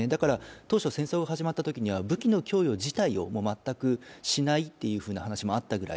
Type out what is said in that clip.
当初、戦争が始まったときには武器の供与自体を全くしないという話もあったくらい。